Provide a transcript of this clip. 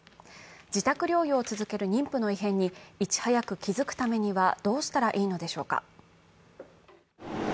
自宅療養を続ける妊婦の異変にいち早く気付くためにはどうしたらいいのでしょうか。